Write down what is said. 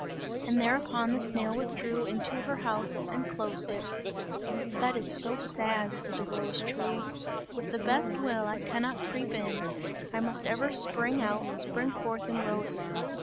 And thereupon the snail withdrew into her house and closed it. "That is so sad," said the rose tree, "with the best will, I cannot creep in, I must ever spring out, spring forth in roses.